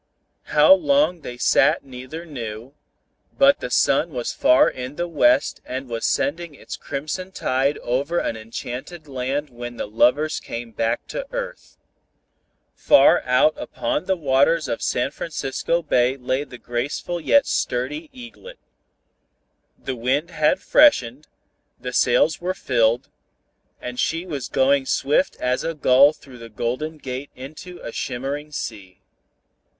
How long they sat neither knew, but the sun was far in the west and was sending its crimson tide over an enchanted land when the lovers came back to earth. Far out upon the waters of San Francisco Bay lay the graceful yet sturdy Eaglet. The wind had freshened, the sails were filled, and she was going swift as a gull through the Golden Gate into a shimmering sea.